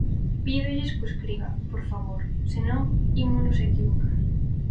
Pídolles que o escriban, por favor, se non, ímonos equivocar.